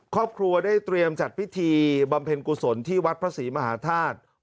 ครอบครัวได้เตรียมจัดพิธีบำเพ็ญกุศลที่วัดพระศรีมหาธาตุ